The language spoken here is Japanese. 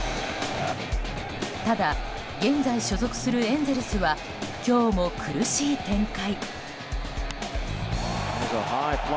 ただ、現在所属するエンゼルスは今日も苦しい展開。